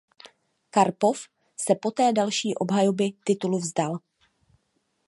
Karpov se poté další obhajoby titulu vzdal.